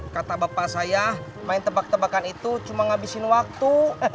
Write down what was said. kata bapak saya main tebak tebakan itu cuma ngabisin waktu